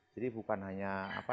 jadi bukan hanya